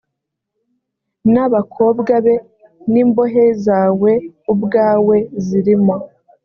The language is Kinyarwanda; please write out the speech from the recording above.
n’abakobwa be n’imbohe zawe ubwawe zirimo